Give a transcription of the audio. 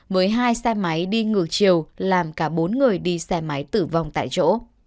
với hai xe máy đi ngược chiều làm cả bốn người đi xe máy tử vong tại chỗ